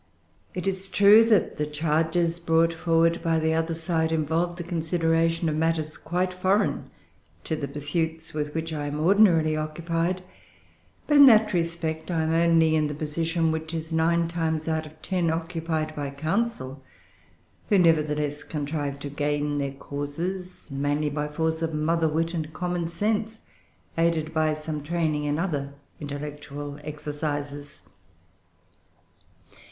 It is true that the charges brought forward by the other side involve the consideration of matters quite foreign to the pursuits with which I am ordinarily occupied; but, in that respect, I am only in the position which is, nine times out of ten, occupied by counsel, who nevertheless contrive to gain their causes, mainly by force of mother wit and common sense, aided by some training in other intellectual exercises.